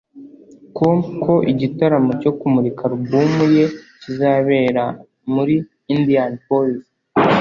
com ko igitaramo cyo kumurika alubumu ye kizabera muri Indianapolis